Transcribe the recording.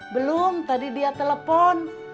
belum tadi dia telepon